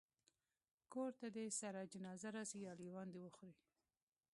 کور ته دي سره جنازه راسي یا لېوان دي وخوري